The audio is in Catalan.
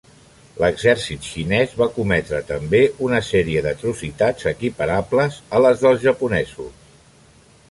L'exèrcit xinès va cometre també una sèrie d'atrocitats equiparables a les dels japonesos.